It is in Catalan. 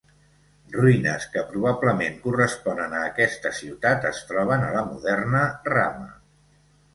Ruïnes que probablement corresponen a aquesta ciutat es troben a la moderna Rama.